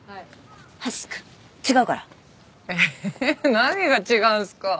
何が違うんすか？